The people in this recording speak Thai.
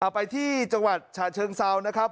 ไปที่จังหวัดฉะเชิงเซานะครับ